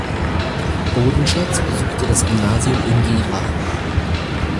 Bodenschatz besuchte das Gymnasium in Gera.